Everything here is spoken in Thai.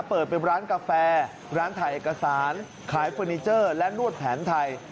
เปิดเป็นร้านกาแฟร้านถ่ายเอกสารขายเฟอร์นิเจอร์และนวดแผนไทย